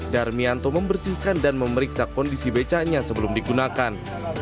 darmianto membersihkan dan memeriksa kondisi becaknya sebelum digunakan